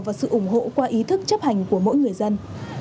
và sự ủng hộ qua ý thức chấp hành của mỗi người dân